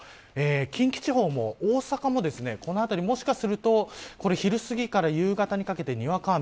近畿地方も、大阪もこのあたり、もしかすると昼すぎから夕方にかけてにわか雨。